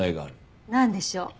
なんでしょう？